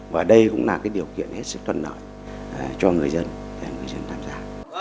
và đây cũng là điều kiện hết sức thuận lợi cho người dân và người dân tham gia